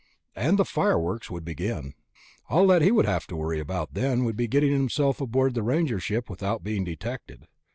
And the fireworks would begin. All that he would have to worry about then would be getting himself aboard the Ranger ship without being detected.